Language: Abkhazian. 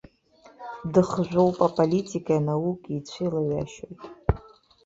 Дыхжәоуп, аполитикеи анаукеи ицәеилаҩашьоит.